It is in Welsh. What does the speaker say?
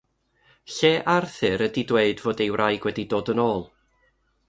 Lle Arthur ydy dweud fod ei wraig wedi dod yn ôl.